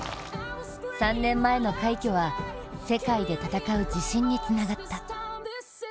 ３年前の快挙は、世界で戦う自信につながった。